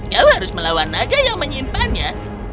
ya harus melawan naga yang menyimpannya